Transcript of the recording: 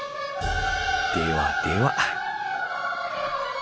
ではでは。